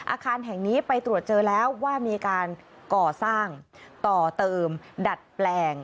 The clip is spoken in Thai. อาคารแห่งนี้ไปตรวจเจอแล้วว่ามีการก่อสร้างต่อเติมดัดแปลง